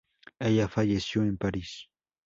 Ella falleció en París.